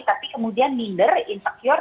tapi kemudian minder insecure